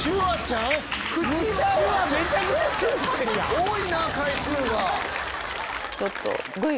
多いな回数が。